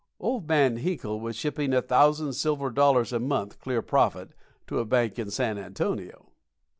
(Old Man Hinkle was shipping a thousand silver dollars a month, clear profit, to a bank in San Antonio.)